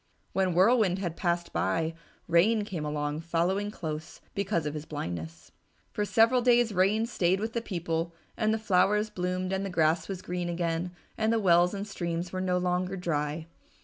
When Whirlwind had passed by, Rain came along following close, because of his blindness. For several days Rain stayed with the people and the flowers bloomed and the grass was green again and the wells and streams were no longer dry.